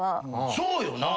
そうよな！